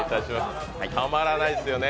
たまらないっすよね。